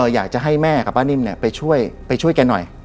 อยากจะให้แม่กับป้านิ่มไปช่วยไปช่วยแกหน่อย